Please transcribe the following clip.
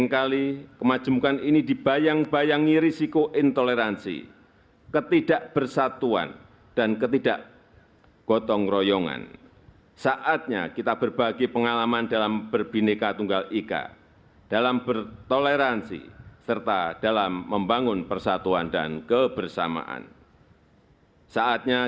tanda kebesaran buka hormat senjata